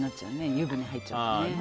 湯船入っちゃうとね。